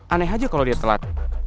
aneh aja kalau dia telat